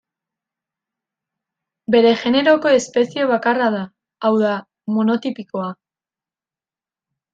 Bere generoko espezie bakarra da, hau da, monotipikoa.